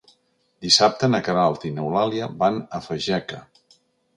Dissabte na Queralt i n'Eulàlia van a Fageca.